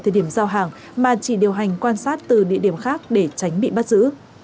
thời điểm giao hàng mà chỉ điều hành quan sát từ địa điểm khác để tránh bị bắt giữ